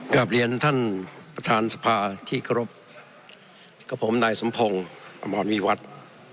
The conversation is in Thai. กลับเรียนท่านประธานสภาที่เคารพกับผมนายสมพงศ์อมรวิวัตร